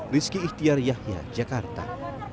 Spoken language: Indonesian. rizky ihtiar yahya jakarta